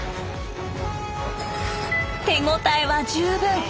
手応えは十分。